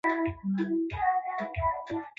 Ni mfupi sana kutuliko